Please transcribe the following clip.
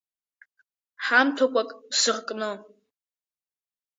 Ҳамҭақәак сыркны.